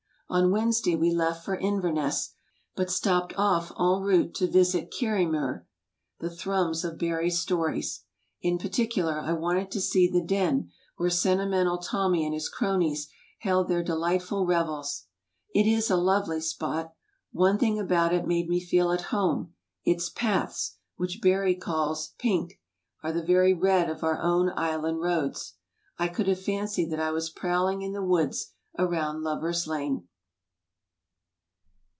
On Wednesday we left for Inverness, but stopped off en route to visit Kirriemuir, the "Thrums" of Barrie's stories. In particular, I wanted to see the 'Den' where Sentimental Tommy and his cronies held their de lightful revels. It is a lovely spot. One thing about it made me feel at home, its paths, which Barrie calls 'pink,' are the very red of of our own island roads. I could have fancied that I was prowling in the woods around Lovers' Lane.